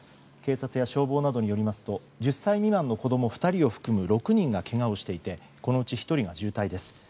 警察や消防などによりますと１０歳未満の子供２人を含む６人がけがをしていてこのうち１人が重体です。